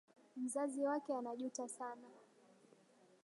Mzazi wake anajuta sana.